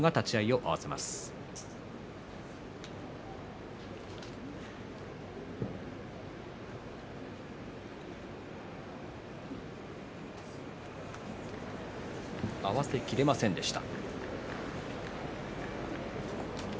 合わせきれませんでした。